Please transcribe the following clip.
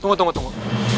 tunggu tunggu tunggu